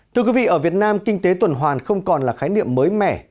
thưa quý vị ở việt nam kinh tế tuần hoàn không còn là khái niệm mới mẻ